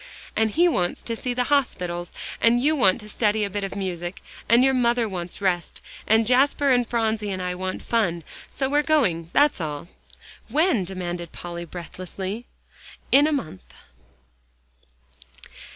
"And he wants to see the hospitals, and you want to study a bit of music, and your mother wants rest, and Jasper and Phronsie and I want fun, so we're going, that's all." "When?" demanded Polly breathlessly. "In a month."